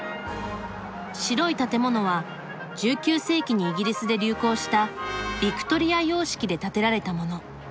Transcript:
白い建物は１９世紀にイギリスで流行したビクトリア様式で建てられたもの。